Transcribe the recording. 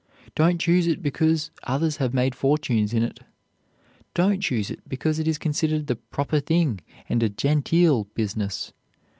Don't choose it because others have made fortunes in it. Don't choose it because it is considered the "proper thing" and a "genteel" business.